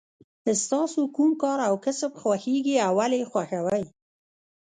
ستاسو کوم کار او کسب خوښیږي او ولې یې خوښوئ.